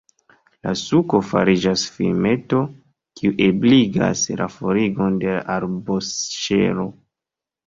La suko fariĝas filmeto, kiu ebligas la forigon de la arboŝelo.